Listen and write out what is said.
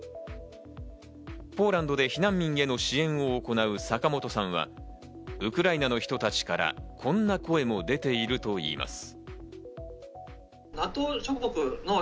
ポーランドで避難民への支援を行う坂本さんは、ウクライナの人たちからこんな声も出ているといいます。